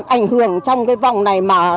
ảnh hưởng trong cái vòng này